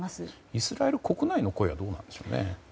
イスラエル国内の声はどうなんでしょうね。